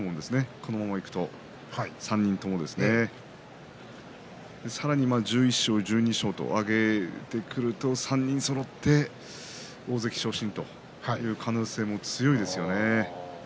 このまま３人ともさらには１１勝、１２勝と挙げてくると３人そろって大関昇進という可能性も強いですよね。